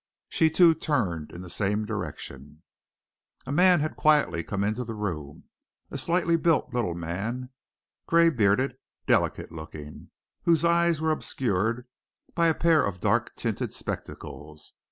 She, too, turned in the same direction. A man had come quietly into the room a slightly built, little man, grey bearded, delicate looking, whose eyes were obscured by a pair of dark tinted spectacles.